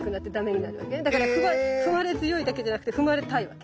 だから踏まれ強いだけじゃなくて踏まれたいわけ。